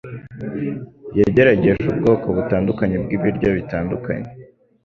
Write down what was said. Yagerageje ubwoko butandukanye bwibiryo bitandukanye